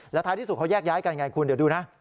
แล้วท้ายที่สุดเขาแยกย้ายกันไงคุณเดี๋ยวดูนะ